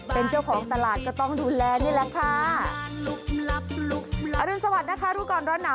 เป็นเจ้าของตลาดก็ต้องดูแลนี่แหละค่ะอรุณสวัสดินะคะรู้ก่อนร้อนหนาว